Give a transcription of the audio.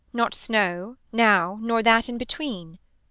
Not snow now nor that in between.